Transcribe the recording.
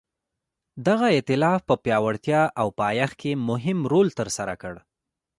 دغه ایتلاف په پیاوړتیا او پایښت کې مهم رول ترسره کړ.